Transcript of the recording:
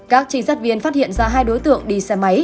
các trinh sát viên phát hiện ra hai đối tượng